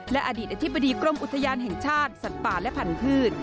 และอดีตอธิบดีกรมอุทยานแห่งชาติสัตว์ป่าและพันธุ์